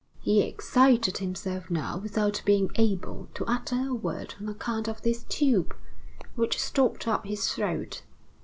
He excited himself now without being able to utter a word on account of this tube, which stopped up his throat.